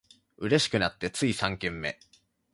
嬉しくなってつい三軒目